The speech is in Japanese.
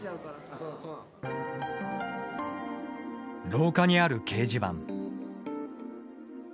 廊下にある掲示板。